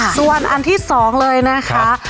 ส่วนอันที่๒เลยนะคะ